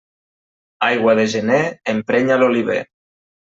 Aigua de gener emprenya l'oliver.